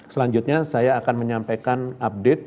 selanjutnya saya akan menyampaikan update